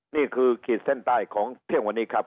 นี่คือคิดเส้นใต้ของเที่ยววันนี้ครับ